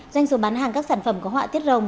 doanh số bán hàng các sản phẩm có họa tiết rồng